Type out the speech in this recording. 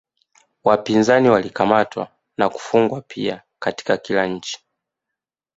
Wapinzani walikamatwa na kufungwa pia Katika kila nchi